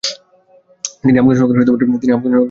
তিনি আফগান সরকারকে সংগঠিত করেছিলেন।